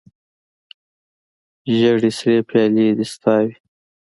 ژړې سرې پیالې دې ستا وي